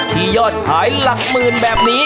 ยอดขายหลักหมื่นแบบนี้